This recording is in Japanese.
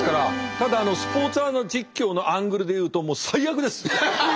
ただスポーツアナ実況のアングルで言うともう最悪です。